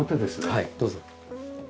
はいどうぞ。